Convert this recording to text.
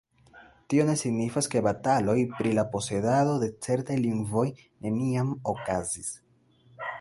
Tio ne signifas ke bataloj pri la posedado de certaj lingvoj neniam okazis